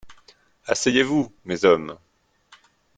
Asseyez-vous, mes hommes.